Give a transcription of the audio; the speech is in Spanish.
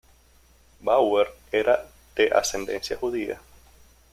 Bauer era de ascendencia judía.